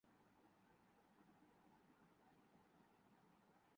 حکومت اوراہل سیاست کا بڑا انحصار ساکھ پر ہوتا ہے۔